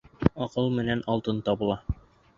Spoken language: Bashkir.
Аҡыл менән алтын табыла